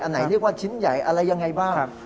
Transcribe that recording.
ไหนเรียกว่าชิ้นใหญ่อะไรยังไงบ้าง